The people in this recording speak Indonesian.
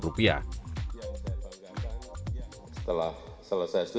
setelah selesai itu